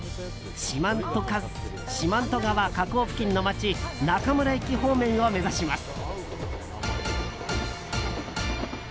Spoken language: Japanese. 四万十川河口付近の町中村駅方面を目指します。